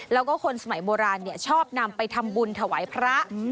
แล้วก็คนสมัยโบราณชอบนำไปทำบุญถวายพระ